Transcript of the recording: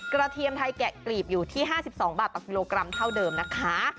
เทียมไทยแกะกลีบอยู่ที่๕๒บาทต่อกิโลกรัมเท่าเดิมนะคะ